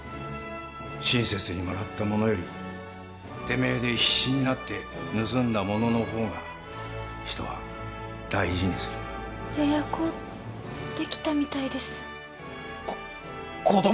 親切にもらったものよりてめえで必死になって盗んだもののほうが人は大事にするやや子できたみたいですこ子供！？